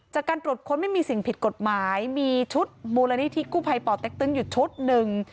จากการตรวจค้นไม่มีสิ่งผิดกฎหมายมีชุดมูลนิธิกู้ภัยป่อเต็กตึงอยู่ชุดหนึ่ง